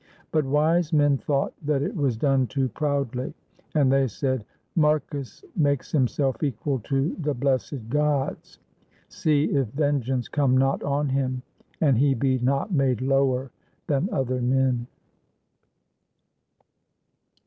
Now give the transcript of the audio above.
But wise men thought that it was done too proudly, and they said, "Marcus makes himself equal to the blessed gods; see if vengeance come not on him, and he be not made lower than other men."